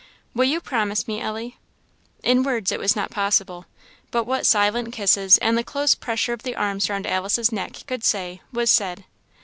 Will you promise me, Ellie?" In words it was not possible; but what silent kisses and the close pressure of the arms round Alice's neck could say, was said.